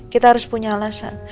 kita harus punya alasan